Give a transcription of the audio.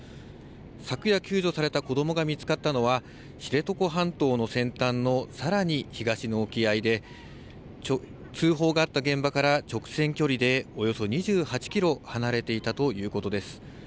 昨夜救助された子どもが見つかったのは、知床半島の先端のさらに東の沖合で、通報があった現場から直線距離でおよそ２８キロ離れていたということです。